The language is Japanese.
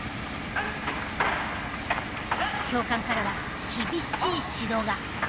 教官からは厳しい指導が。